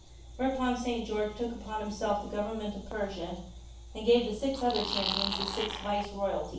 Whereupon St. George took upon himself the govern ment of Persia, and gave the six other Champions the six viceroyalties.